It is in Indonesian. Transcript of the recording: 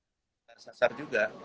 kita sasar juga